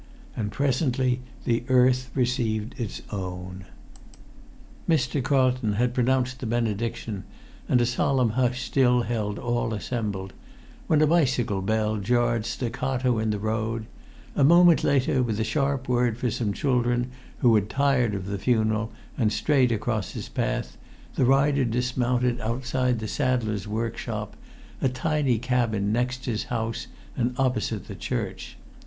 And presently the earth received its own. Mr. Carlton had pronounced the benediction, and a solemn hush still held all assembled, when a bicycle bell jarred staccato in the road; a moment later, with a sharp word for some children who had tired of the funeral and strayed across his path, the rider dismounted outside the saddler's workshop, a tiny cabin next his house and opposite the church.